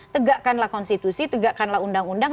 tegakkanlah konstitusi tegakkanlah undang undang